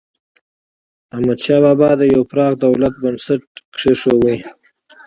احمدشاه بابا د یو پراخ دولت بنسټ کېښود.